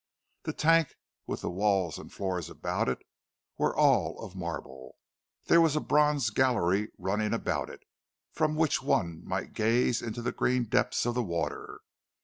The tank, with the walls and floor about it, were all of marble; there was a bronze gallery running about it, from which one might gaze into the green depths of the water.